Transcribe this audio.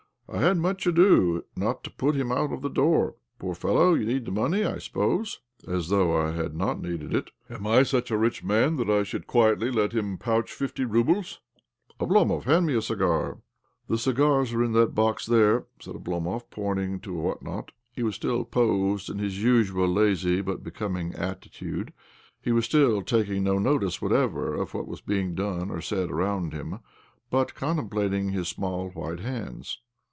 I had much ado not to put him out of the door. ' Poor fellow, you need the money, I suppose ?' As though I had not needed it ! Am I such a rich man that I should quietly let him pouch fifty roubles? Oblomov, hand me a cigar." " The cigars are in that box there," said Oblomov, pointing to a whatnot. He was still posed in his usual lazy but becoming attitude— he was still taking no notice what ever of what was being done or said around him, but contemplating his smiall white hands.